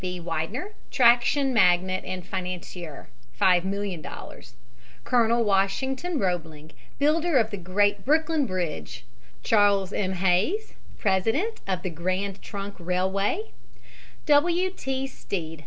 B. Widener, traction magnate and financier ($5,000,000); Colonel Washington Roebling, builder of the great Brooklyn Bridge; Charles M. Hays, president of the Grand Trunk Railway; W. T. Stead.